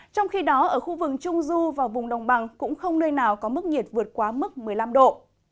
trong khi đó ở khu vực trung du và vùng đồng bằng cũng không nơi nào có mức nhiệt vượt quá mức một mươi năm độ